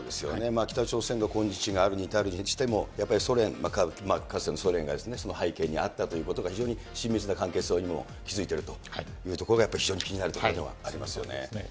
北朝鮮の今日があるに至るにしても、やっぱりソ連、かつてのソ連が背景にあったということが、非常に親密な関係性を今も築いているというところが、非常に気になるところではありますよね。